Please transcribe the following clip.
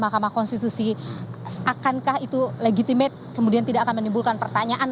mahkamah konstitusi akankah itu legitimate kemudian tidak akan menimbulkan pertanyaan